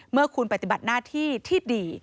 เมื่อคุณปฏิบัติหน้าที่ที่ดี